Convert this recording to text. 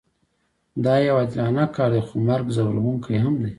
دا یو عادلانه کار دی خو مرګ ځورونکی هم دی